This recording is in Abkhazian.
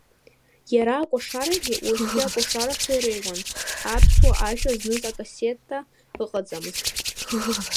Иара акәашарагьы уажәтәи акәашарақәа иреиуан, аԥсуа ашәа зныз акассета ыҟаӡамызт.